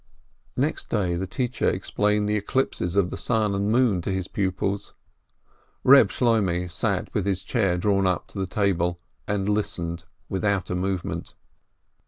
Next day the teacher explained the eclipses of the sun and moon to his pupils. Reb Shloimeh sat with his chair drawn up to the table, and listened without a movement.